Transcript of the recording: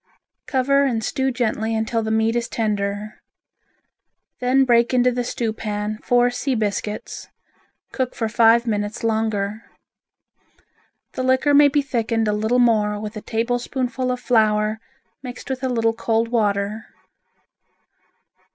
Cover and stew gently until the meat is tender. Then break into the stewpan four sea biscuits, cook for five minutes longer. The liquor may be thickened a little more with a tablespoonful of flour mixed with a little cold water.